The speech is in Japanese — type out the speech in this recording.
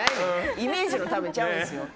イメージのためちゃうんですよ。